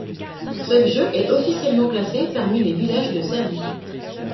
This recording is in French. Supnje est officiellement classé parmi les villages de Serbie.